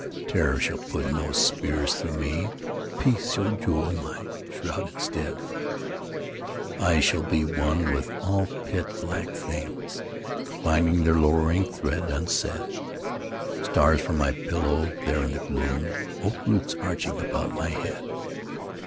Terror shall put no spears through me. Peace shall jewel my shroud instead. I shall be one with all pit black things Finding their lowering threat unsaid: Stars for my pillow there in the gloom,— Oak roots arching about my head!